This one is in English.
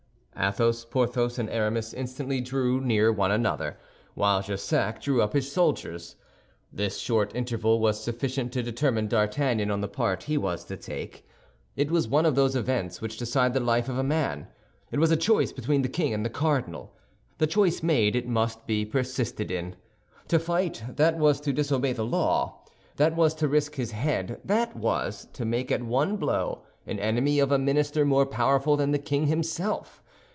Athos, Porthos, and Aramis instantly drew near one another, while Jussac drew up his soldiers. This short interval was sufficient to determine D'Artagnan on the part he was to take. It was one of those events which decide the life of a man; it was a choice between the king and the cardinal—the choice made, it must be persisted in. To fight, that was to disobey the law, that was to risk his head, that was to make at one blow an enemy of a minister more powerful than the king himself.